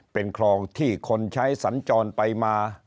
เป็นคลองที่คนใช้สัญจรไปมา